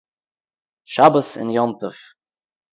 שבת און יום טוב